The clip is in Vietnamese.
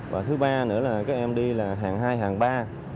và thứ ba nữa là các em đi là hàng hai hàng ba